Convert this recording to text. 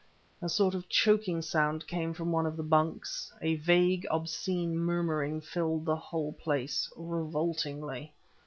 A sort of choking sound came from one of the bunks; a vague, obscene murmuring filled the whole place revoltingly.